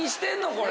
これ。